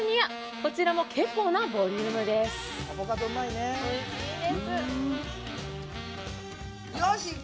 こちらも結構なボリュームですよしいけ！